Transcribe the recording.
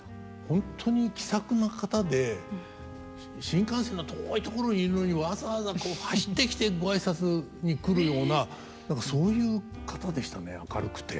本当に気さくな方で新幹線の遠い所にいるのにわざわざ走ってきてご挨拶に来るような何かそういう方でしたね明るくて。